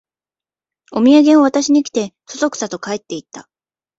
おみやげを渡しに来て、そそくさと帰っていった